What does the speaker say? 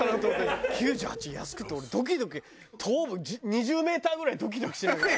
９８円安くて俺ドキドキ２０メーターぐらいドキドキしながら。